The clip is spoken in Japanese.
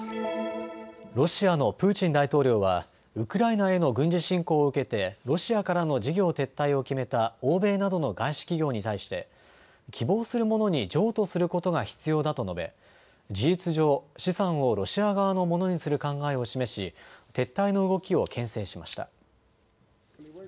ロシアのプーチン大統領はウクライナへの軍事侵攻を受けてロシアからの事業撤退を決めた欧米などの外資企業に対して希望する者に譲渡することが必要だと述べ事実上、資産をロシア側のものにする考えを示し撤退の動きをけん制しました。